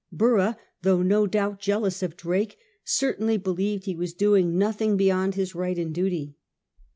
Borough, though no doubt jealous of Drake, certainly believed he was doing nothing beyond his right and duty.